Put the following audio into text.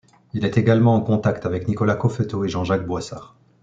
Il est également en contact avec Nicolas Coeffeteau et Jean-Jacques Boissard.